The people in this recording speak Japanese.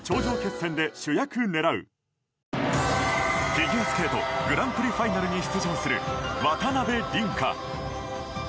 フィギュアスケートグランプリファイナルに出場する渡辺倫果。